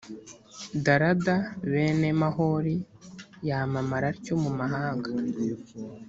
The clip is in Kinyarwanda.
darada bene maholi yamamara atyo mu mahanga